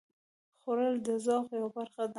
خوړل د ذوق یوه برخه ده